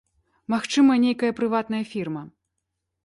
Магчыма, нейкая прыватная фірма.